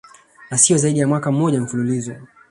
na siyo zaidi ya mwaka mmoja mfululizo